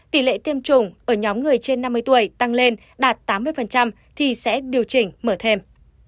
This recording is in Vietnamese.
tỷ lệ tiêm chủng ở nhóm người trên năm mươi tuổi tăng lên đạt tám mươi thì sẽ điều chỉnh mở thêm